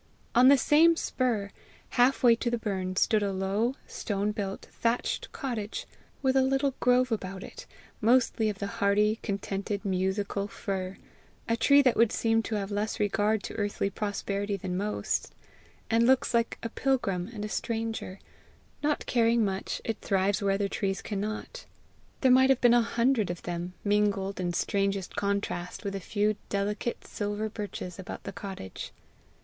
On the same spur, half way to the burn, stood a low, stone built, thatched cottage, with a little grove about it, mostly of the hardy, contented, musical fir a tree that would seem to have less regard to earthly prosperity than most, and looks like a pilgrim and a stranger: not caring much, it thrives where other trees cannot. There might have been a hundred of them, mingled, in strangest contrast, with a few delicate silver birches, about the cottage.